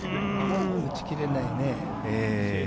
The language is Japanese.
打ち切れないね。